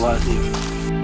siapa yang melakukan perbuatan